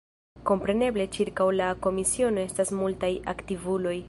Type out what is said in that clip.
Kompreneble ĉirkaŭ la komisiono estas multaj aktivuloj.